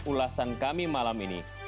ulasan kami malam ini